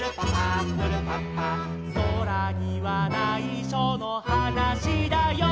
「そらにはないしょのはなしだよ」